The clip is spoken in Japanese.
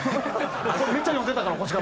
めっちゃ読んでたから『こち亀』。